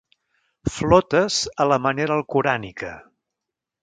Flotes a la manera alcorànica.